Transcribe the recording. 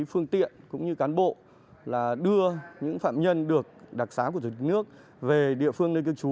phương tiện cũng như cán bộ là đưa những phạm nhân được đặc sá của thủ tướng nước về địa phương nơi cư trú